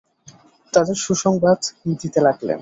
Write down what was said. তাঁদের সুসংবাদ দিতে লাগলেন।